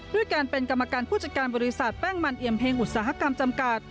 ด้วยการเป็นกรรมการผู้จัดการบริษัทแป้งมันเอียมเพลงอุตสาหกรรมจำกัด